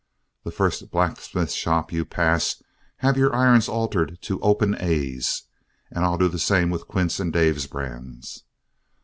The first blacksmith shop you pass, have your irons altered into 'Open A's,' and I'll do the same with Quince and Dave's brands.